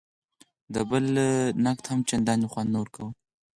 د بل نقد هم چندان خوند نه ورکوي.